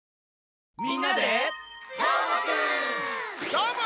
どーも！